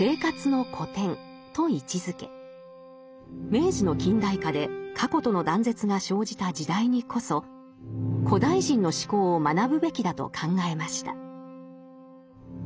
明治の近代化で過去との断絶が生じた時代にこそ古代人の思考を学ぶべきだと考えました。